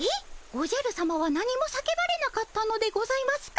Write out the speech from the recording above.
おじゃるさまは何も叫ばれなかったのでございますか。